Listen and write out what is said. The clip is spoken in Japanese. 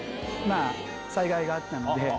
災害があったので。